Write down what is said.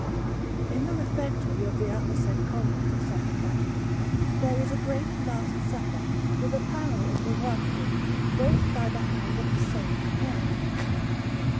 In the refectory of the aforesaid Convent of S. Caterina there is a great Last Supper, with a panel in the work room, both by the hand of the same nun.